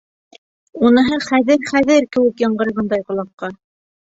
Уныһы «хәҙер-хәҙер» кеүек яңғырағандай ҡолаҡҡа.